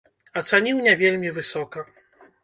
Ацаніў не вельмі высока.